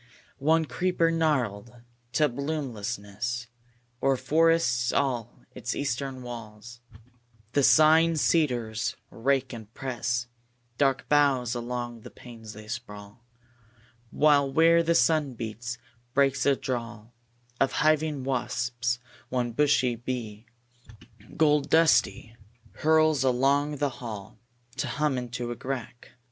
2. One creeper, gnarled to bloomlessness, O'er forests all its eastern wall; The sighing cedars rake and press Dark boughs along the panes they sprawl; While, where the sun beats, breaks a drawl Of hiving wasps; one bushy bee, Gold dusty, hurls along the hall To hum into a crack.